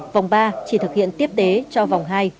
vòng ba chỉ thực hiện tiếp tế cho vòng hai